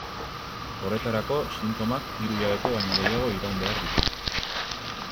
Horretarako sintomak hiru hilabete baino gehiago iraun behar dira.